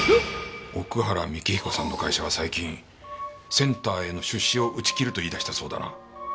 奥原幹彦さんの会社は最近センターへの出資を打ち切ると言い出したそうだな？